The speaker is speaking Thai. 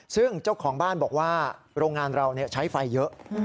ซึ่งเจ้าของบ้านบอกว่าโรงงานเราใช้ไฟเยอะ